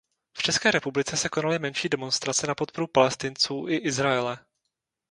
V České republice se konaly menší demonstrace na podporu Palestinců i Izraele.